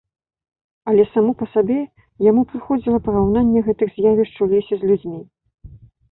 Але само па сабе яму прыходзіла параўнанне гэтых з'явішч у лесе з людзьмі.